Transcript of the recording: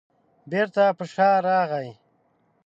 بېرته په شا راغی.